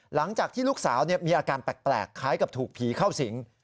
หลังจากที่ลูกสาวมีอาการแปลกคล้ายกับถูกผีเข้าสิง